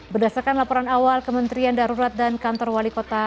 berdasarkan laporan awal kementerian darurat dan kantor wali kota